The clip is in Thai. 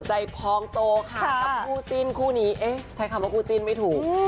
พองโตค่ะกับคู่จิ้นคู่นี้เอ๊ะใช้คำว่าคู่จิ้นไม่ถูก